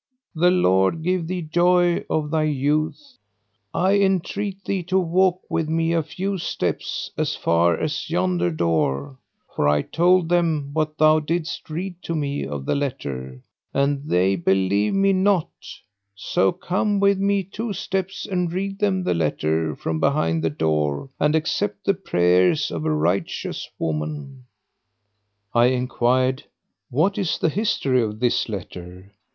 the Lord give thee joy of thy youth! I entreat thee to walk with me a few steps as far as yonder door, for I told them what thou didst read to me of the letter, and they believe me not, so come with me two steps and read them the letter from behind the door and accept the prayers of a righteous woman." I enquired, "What is the history of this letter?"